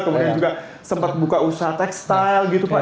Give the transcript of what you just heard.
kemudian juga sempat buka usaha tekstil gitu pak